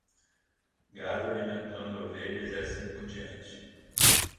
Gado alimentando ovelhas e assim por diante